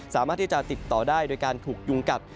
สามารถที่จะติดต่อได้โดยการถูกยุงกัด